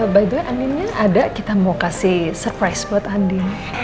by the way anginnya ada kita mau kasih surprise buat andi